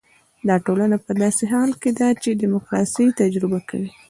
دا ټولنه په داسې حال کې ده چې ډیموکراسي تجربه کوي.